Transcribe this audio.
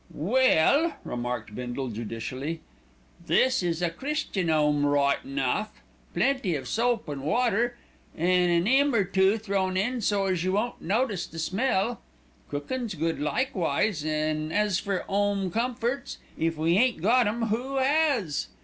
"Well," remarked Bindle judicially, "this is a Christian 'ome right enough, plenty of soap an' water, with an 'ymn or two thrown in so as you won't notice the smell. Cookin's good likewise, an' as for 'ome comforts, if we ain't got 'em, who 'as?